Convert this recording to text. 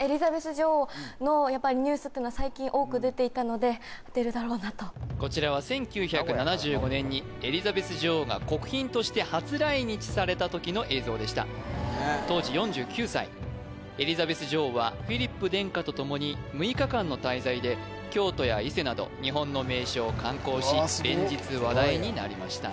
エリザベス女王のニュースは最近多く出ていたので出るだろうなとこちらは１９７５年にエリザベス女王が国賓として初来日された時の映像でした当時４９歳エリザベス女王はフィリップ殿下とともに６日間の滞在で京都や伊勢など日本の名所を観光し連日話題になりました